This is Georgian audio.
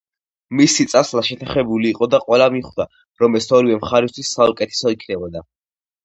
მისი წასვლა შეთანხმებული იყო და ყველა მიხვდა, რომ ეს ორივე მხარისთვის საუკეთესო იქნებოდა.